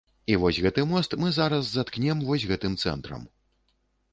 І вось гэты мост мы зараз заткнем вось гэтым цэнтрам.